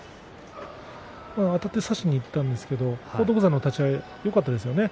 天空海、差しにいったんですけれども、荒篤山の立ち合いよかったですよね。